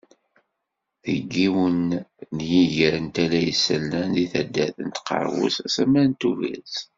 Deg yiwen n yiger n Tala Isellan deg taddart n Tqerbust asammar n Tubiret.